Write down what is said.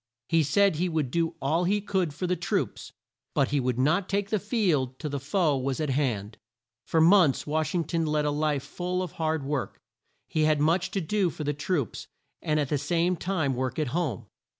He said he would do all he could for the troops, but he would not take the field till the foe was at hand. For months Wash ing ton led a life full of hard work. He had much to do for the troops, and at the same time work at home.